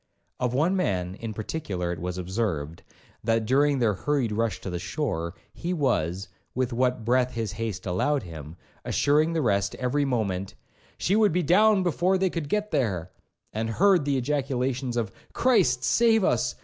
Of one man, in particular, it was observed, that during their hurried rush to the shore, he was, with what breath his haste allowed him, assuring the rest every moment, 'she would be down before they could get there,' and heard the ejaculations of 'Christ save us!